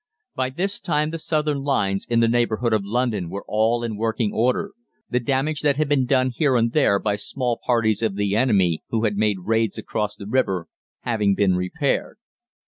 By this time the southern lines in the neighbourhood of London were all in working order, the damage that had been done here and there by small parties of the enemy who had made raids across the river having been repaired.